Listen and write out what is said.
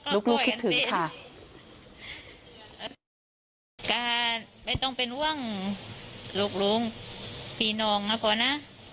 ลูกคิดถึงค่ะ